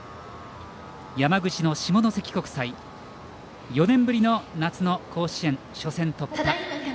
山口の下関国際４年ぶりの夏の甲子園、初戦突破。